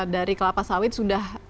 dari kelapa sawit sudah